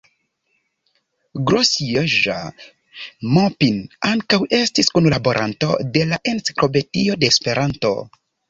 Grosjean-Maupin ankaŭ estis kunlaboranto de la Enciklopedio de Esperanto.